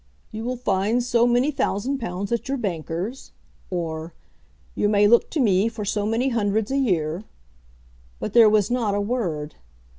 "You will find so many thousand pounds at your bankers';" or, "You may look to me for so many hundreds a year." But there was not a word.